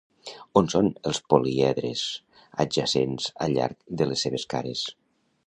On són els políedres adjacents al llarg de les seves cares?